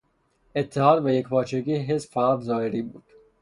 اتحاد و یکپارچگی حزب فقط ظاهری بود.